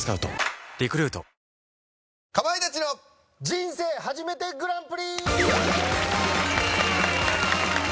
『人生初めてグランプリ』！